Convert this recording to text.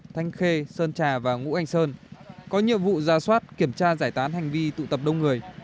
thanh khê sơn trà và ngũ anh sơn có nhiệm vụ ra soát kiểm tra giải tán hành vi tụ tập đông người